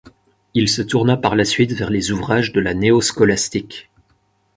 Il se tourna par la suite vers les ouvrages de la néo-scolastique.